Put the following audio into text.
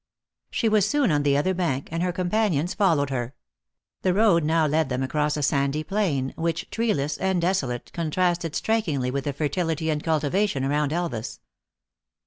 She was soon on the other bank, and her compan ions followed her. The road now led them across a sandy plain, which, treeless and desolate, contrasted strikingly with the fertility and cultivation around Elvas.